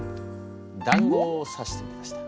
だんごをさしてみました。